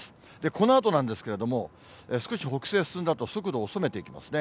このあとなんですけれども、少し北西へ進んだあと、速度をおそめていきますね。